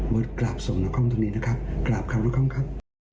เบิร์ตกลับส่งนครมตัวนี้นะครับกลับครมนครมครับ